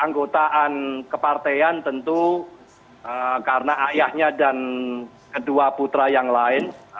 anggotaan kepartean tentu karena ayahnya dan kedua putra yang lain